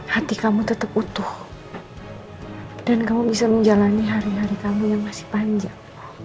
hati kamu tetap utuh dan kamu bisa menjalani hari hari kamu yang masih panjang